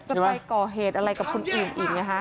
จะไปก่อเหตุอะไรกับคนอื่นนะคะ